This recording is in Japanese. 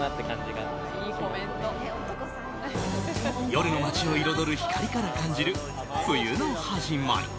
夜の街を彩る光から感じる冬の始まり。